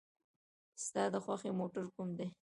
ستا د خوښې موټر کوم دی؟